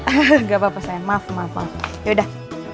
eh eh eh enggak apa apa sayang maaf maaf maaf yaudah